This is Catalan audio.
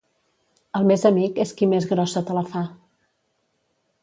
El més amic és qui més grossa te la fa.